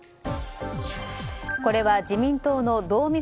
これは自民党の道見